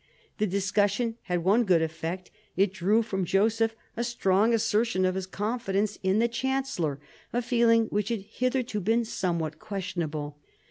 The discussion had one good effect It drew from Joseph a strong assertion of his confidence in the chancellor, a feeling which had hitherto been somewhat questionable.